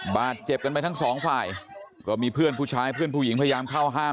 บาดเจ็บกันไปทั้งสองฝ่ายก็มีเพื่อนผู้ชายเพื่อนผู้หญิงพยายามเข้าห้าม